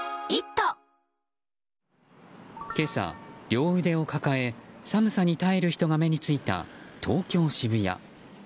今朝、両腕を抱え寒さに耐える人が目についた東京・渋谷。